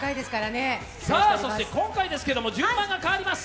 今回ですけれども、順番が変わります。